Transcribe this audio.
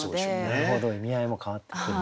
なるほど意味合いも変わってくる。